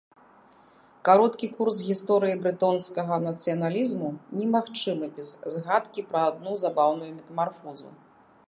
Кароткі курс гісторыі брэтонскага нацыяналізму немагчымы без згадкі пра адну забаўную метамарфозу.